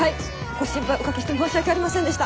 ご心配おかけして申し訳ありませんでした。